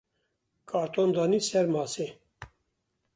Karton danî ser masê.